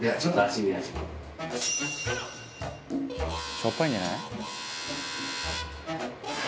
「しょっぱいんじゃない？」